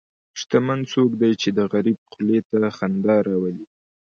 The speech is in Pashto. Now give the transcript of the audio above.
شتمن څوک دی چې د غریب خولې ته خندا راولي.